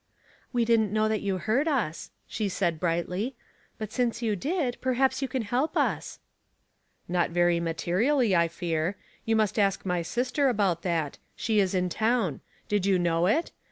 *' We didn't know that you heard us," she said, brightly. " But since you did, perhaps you can help us." *' Not very materially, I fear. You must ask my sister about that. She is in town. Did you know it?